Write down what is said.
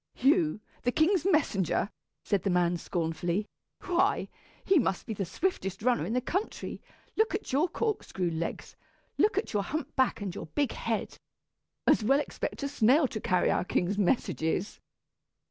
"You, the king's messenger!" said the man, scornfully. "Why, he must be the swiftest runner in the country. Look at your cork screw legs! Look at your hump back and your big head! As well expect a snail to carry our king's messages."